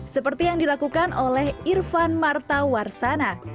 seperti yang dilakukan oleh irfan marta warsana